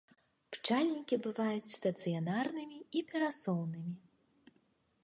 Пчальнікі бываюць стацыянарнымі і перасоўнымі.